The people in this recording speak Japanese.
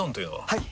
はい！